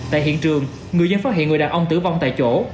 tại hiện trường người dân phát hiện người đàn ông tử vong tại chỗ